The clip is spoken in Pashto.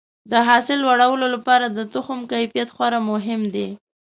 د حاصل لوړولو لپاره د تخم کیفیت خورا مهم دی.